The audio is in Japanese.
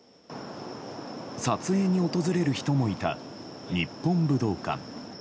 撮影に訪れる人もいた日本武道館。